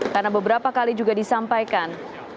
karena beberapa kali juga disampaikan